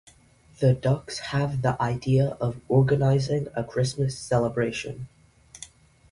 The Ducks have the idea of organizing a Christmas celebration.